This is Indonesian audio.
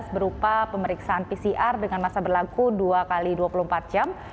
berupa pemeriksaan pcr dengan masa berlaku dua x dua puluh empat jam